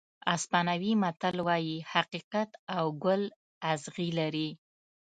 اسپانوي متل وایي حقیقت او ګل اغزي لري.